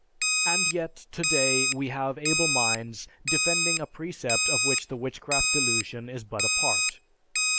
And yet, today, we have able minds defending a precept of which the Witchcraft Delusion is but a part.